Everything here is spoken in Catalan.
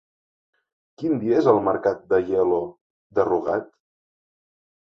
Quin dia és el mercat d'Aielo de Rugat?